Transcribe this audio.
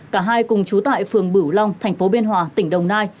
cả hai cùng trú tại phường bửu long tp biên hòa tỉnh đồng nai